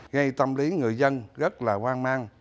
ngay tâm lý người dân rất là quan mang